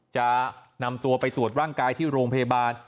จะนำตัวไปตรวจร่างกายที่โรงพยาบาล